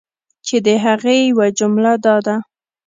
چی د هغی یوه جمله دا ده